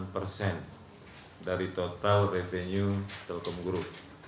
delapan persen dari total revenue telkom guru